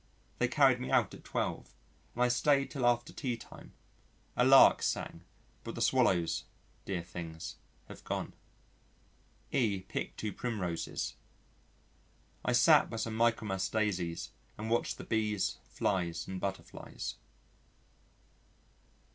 They carried me out at 12, and I stayed till after tea time. A Lark sang, but the Swallows dear things have gone. E picked two Primroses. I sat by some Michaelmas Daisies and watched the Bees, Flies, and Butterflies.